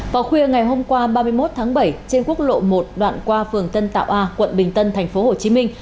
vào khuya ngày hôm qua ba mươi một tháng bảy trên quốc lộ một đoạn qua phường tân tạo a quận bình tân thành phố hồ chí minh